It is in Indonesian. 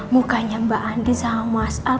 mukanya mbak andi sama mas